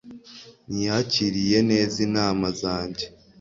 Ntiyakiriye neza inama zanjye